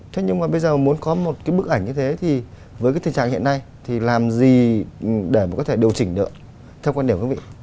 thế nhưng mà bây giờ muốn có một cái bức ảnh như thế thì với cái tình trạng hiện nay thì làm gì để mà có thể điều chỉnh được theo quan điểm của quý vị